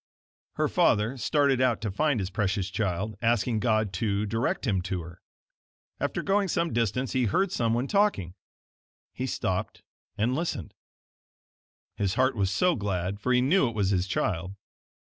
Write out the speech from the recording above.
Her father started out to find his precious child, asking God to direct him to her. After going some distance, he heard someone talking. He stopped and listened. His heart was so glad, for he knew it was his child.